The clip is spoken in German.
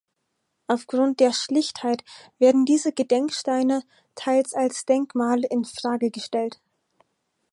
Aufgrund der Schlichtheit werden diese Gedenksteine teils als Denkmale in Frage gestellt.